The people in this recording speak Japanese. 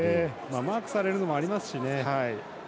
マークされるのもありますしね。